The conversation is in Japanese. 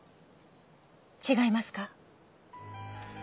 違いますか？